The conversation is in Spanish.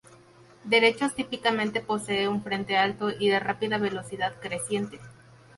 Derechos Típicamente posee un frente alto y de rápida velocidad creciente.